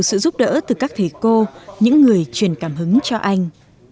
sự giúp đỡ từ các thầy cô những người truyền cảm hứng cho anh